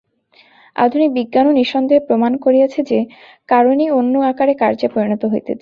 আধুনিক বিজ্ঞানও নিঃসন্দেহে প্রমাণ করিয়াছে যে, কারণই অন্য আকারে কার্যে পরিণত হইতেছে।